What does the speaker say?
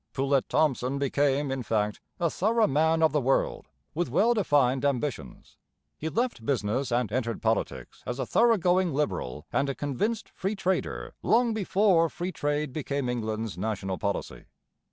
Poulett Thomson became, in fact, a thorough man of the world, with well defined ambitions. He left business and entered politics as a thoroughgoing Liberal and a convinced free trader long before free trade became England's national policy.